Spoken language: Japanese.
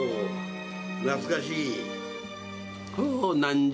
懐かしい。